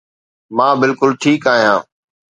مان بلڪل ٺيڪ آهيان